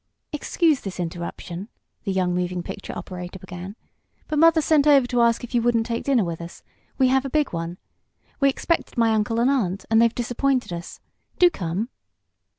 "Excuse this interruption," the young moving picture operator began, "but mother sent over to ask if you wouldn't take dinner with us. We have a big one. We expected my uncle and aunt, and they've disappointed us. Do come!"